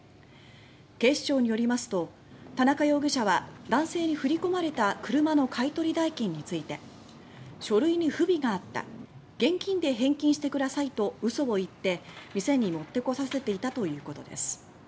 警視庁によりますと田中容疑者は男性に振り込まれた車の買い取り代金について書類に不備があった現金で返金してくださいと嘘を言って店に持ってこさせていたということです。